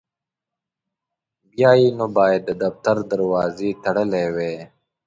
بیا یې نو باید د دفتر دروازې تړلي وای.